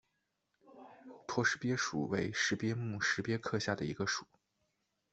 驼石鳖属为石鳖目石鳖科下的一个属。